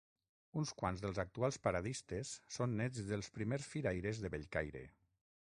Uns quants dels actuals paradistes són néts dels primers firaires de Bellcaire.